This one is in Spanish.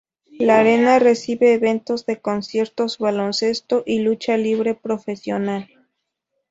La arena recibe eventos de Conciertos, Baloncesto y lucha libre profesional.